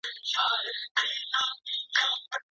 ولي زیارکښ کس د لایق کس په پرتله برخلیک بدلوي؟